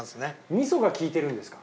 味噌がきいてるんですか？